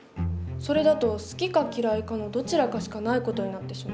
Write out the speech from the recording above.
それだと好きか嫌いかのどちらかしかない事になってしまう。